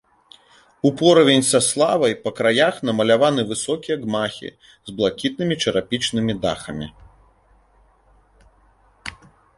Упоравень са славай па краях намаляваны высокія гмахі з блакітнымі чарапічнымі дахамі.